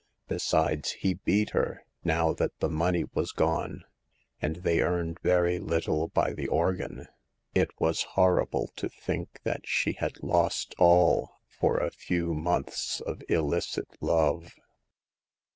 Besides, he beat her, now that the money was gone ; and they earned very little by the organ. It was horrible to think that she had lost all, for a few months of illicit love.